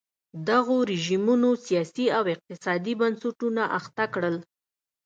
دغو رژیمونو سیاسي او اقتصادي بنسټونه اخته کړل.